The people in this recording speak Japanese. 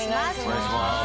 お願いします。